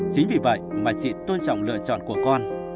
chính vì vậy mà chị tôn trọng lựa chọn của con